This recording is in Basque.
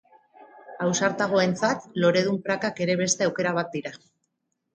Ausartagoentzat, loredun prakak ere beste aukera bat dira.